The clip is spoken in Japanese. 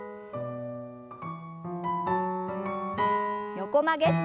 横曲げ。